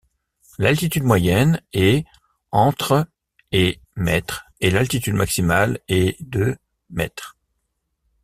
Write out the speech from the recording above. L'altitude moyenne est entre et mètres, et l'altitude maximale est de mètres.